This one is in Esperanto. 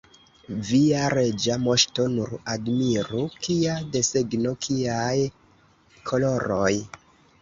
Via Reĝa Moŝto nur admiru, kia desegno, kiaj koloroj!